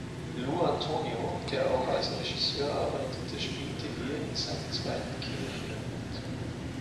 Lou Antonio, der auch als Regisseur arbeitete, spielte hier in seinem zweiten Kinofilm mit.